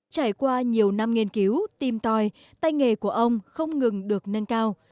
trải qua nhiều năm nghiên cứu tìm tòi tay nghề của ông không ngừng được nâng cao